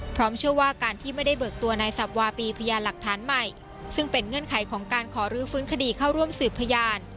เชื่อว่าการที่ไม่ได้เบิกตัวนายสับวาปีพยานหลักฐานใหม่ซึ่งเป็นเงื่อนไขของการขอรื้อฟื้นคดีเข้าร่วมสืบพยาน